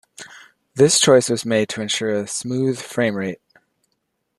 This choice was made to ensure a smooth frame rate.